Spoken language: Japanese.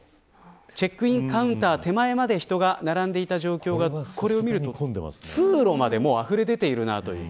チェックインカウンター手前まで人が並んでいた状況がこれを見ると通路まであふれでているんだという。